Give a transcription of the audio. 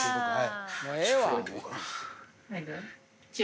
はい。